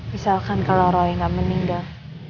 misalkan kalau roy nggak meninggal